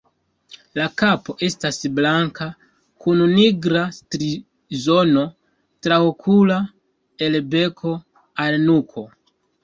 La kapo estas blanka kun nigra strizono traokula el beko al nuko.